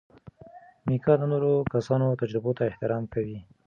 میکا د نورو کسانو تجربو ته احترام کوي.